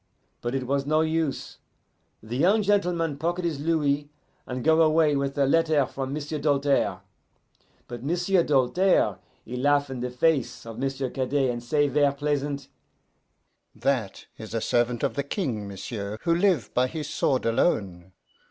But it was no use: the young gentleman pocket his louis, and go away with a letter from M'sieu' Doltaire. But M'sieu' Doltaire, he laugh in the face of M'sieu' Cadet, and say ver' pleasant, 'That is a servant of the King, m'sieu', who live by his sword alone.